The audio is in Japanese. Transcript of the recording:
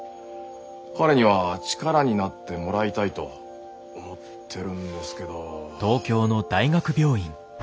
彼には力になってもらいたいと思ってるんですけど。